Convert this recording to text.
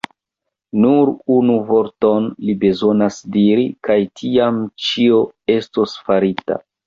Nur unu vorton li bezonas diri, kaj tiam ĉio estos farita.